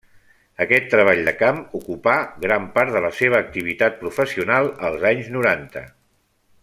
Aquest treball de camp ocupà gran part de la seva activitat professional als anys noranta.